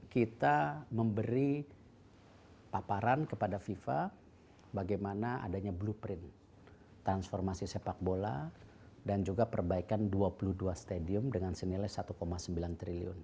kita memberi paparan kepada fifa bagaimana adanya blueprint transformasi sepak bola dan juga perbaikan dua puluh dua stadium dengan senilai satu sembilan triliun